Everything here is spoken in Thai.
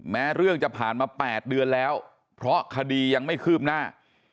แม้เรื่องจะผ่านมา๘เดือนแล้วเพราะคดียังไม่คืบหน้า